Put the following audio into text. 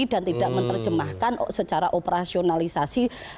dan tidak menerjemahkan secara operasionalisasi